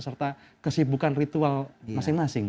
serta kesibukan ritual masing masing